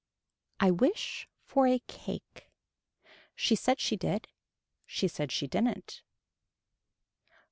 I wish for a cake. She said she did. She said she didn't.